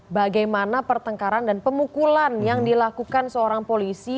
bagaimana pertengkaran dan pemukulan yang dilakukan seorang polisi